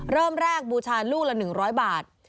เริ่มแรกบูชาลูกละ๑๐๐บาท